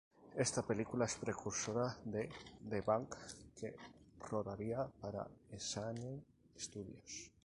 Esta película es precursora de The Bank que rodaría para Essanay Studios'.